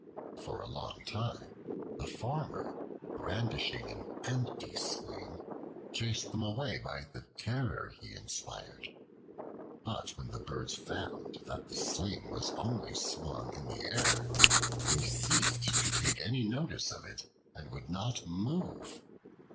For a long time the Farmer, brandishing an empty sling, chased them away by the terror he inspired; but when the birds found that the sling was only swung in the air, they ceased to take any notice of it and would not move.